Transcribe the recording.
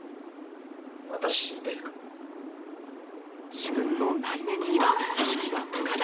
自分の内面には意識が向かない。